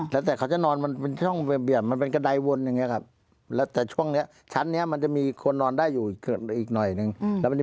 แล้วเจอห้องลูกสาวนอนอยู่ไม่ใช่ไม่ใช่ครับ